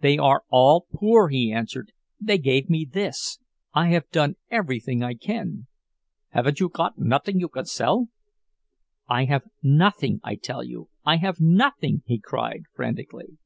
"They are all poor," he answered. "They gave me this. I have done everything I can—" "Haven't you got notting you can sell?" "I have nothing, I tell you—I have nothing," he cried, frantically.